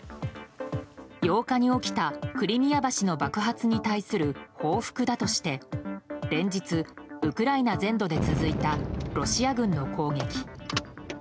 ８日に起きたクリミア橋の爆発に対する報復だとして連日、ウクライナ全土で続いたロシア軍の攻撃。